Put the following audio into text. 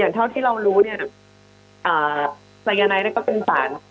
อย่างเท่าที่เรารู้เนี้ยอ่าในยังไงนี่ก็เป็นศาล